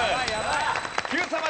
Ｑさま！！